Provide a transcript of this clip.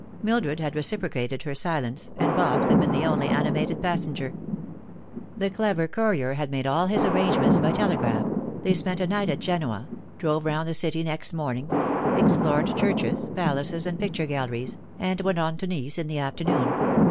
Mildred had reciprocated her silence, and Box had been the only animated passenger. The clever courier had made all his arrangements by tele graph : they spent a night at Genoa ; drove round the city next morning ; explored churches, palaces, and picture galleries ; and went on to Nice in the afternoon.